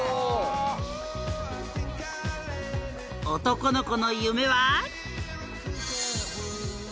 ［男の子の夢は］